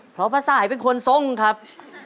เพราะพระสายเป็นคนทรงครับ